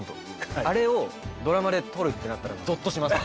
あれをドラマで撮るってなったらぞっとします。